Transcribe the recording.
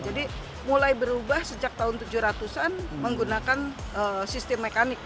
jadi mulai berubah sejak tahun tujuh ratus an menggunakan sistem mekanik